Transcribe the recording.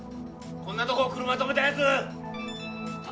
こんなとこ車止めた奴！